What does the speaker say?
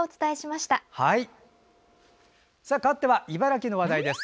かわっては茨城の話題です。